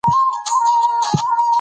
په افغانستان کې د آمو سیند شتون لري.